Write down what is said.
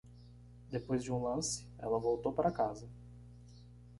Depois de um lance, ela voltou para casa.